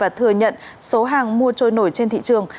và thừa nhận số hàng mua trôi nổi trên thị trường